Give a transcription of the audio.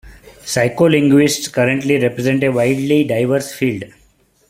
Psycholinguists currently represent a widely diverse field.